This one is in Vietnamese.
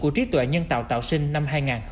của trí tuệ nhân tạo tạo sinh năm hai nghìn hai mươi ba